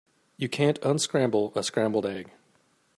You can't unscramble a scrambled egg.